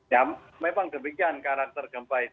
ya memang demikian karakter gempa